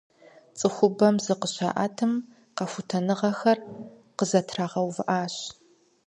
Цӏыхубэм зыкъыщаӀэтым, къэхутэныгъэхэр къызэтрагъэувыӀащ.